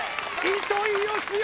糸井嘉男